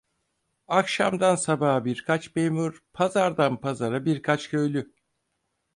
Akşama sabaha birkaç memur, pazardan pazara birkaç köylü…